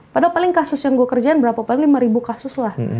padahal paling kasus yang gue kerjain berapa paling lima kasus lah